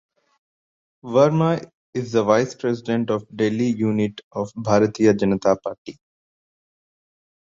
Verma is the vice president of Delhi unit of Bharatiya Janata Party.